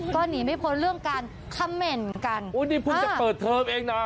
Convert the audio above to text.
ก็หนีไม่พ้นเรื่องการคาเมนต์กันโอ้ยนี่คุณจะเปิดเทิมเองนะ